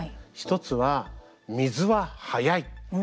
１つは、水は速い。